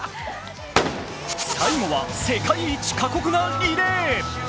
最後は世界一過酷なリレー。